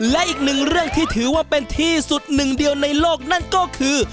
และอีกหนึ่งเรื่องที่ถือว่าเป็นที่สุดหนึ่งเดียวในโลกนั่นก็คือ